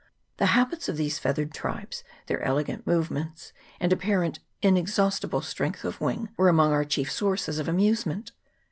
The habits of these feathered tribes, their elegant movements, and apparently inexhaust ible strength of wing, were among our chief sources of amusement.